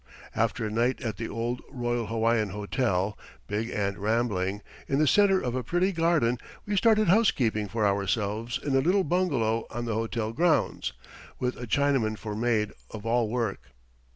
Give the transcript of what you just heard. After a night at the old Royal Hawaiian Hotel, big and rambling, in the center of a pretty garden, we started housekeeping for ourselves in a little bungalow on the hotel grounds, with a Chinaman for maid of all work.